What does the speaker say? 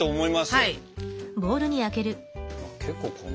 はい！